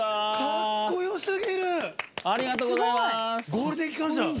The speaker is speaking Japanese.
ゴールデン機関車。